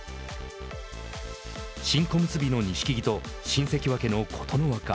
新小結の錦木と新関脇の琴ノ若。